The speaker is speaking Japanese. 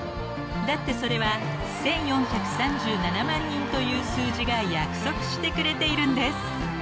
［だってそれは１，４３７万人という数字が約束してくれているんです］